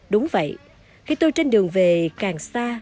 đúng vậy khi tôi trên đường về càng xa